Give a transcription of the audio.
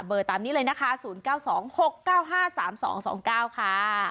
ตามนี้เลยนะคะ๐๙๒๖๙๕๓๒๒๙ค่ะ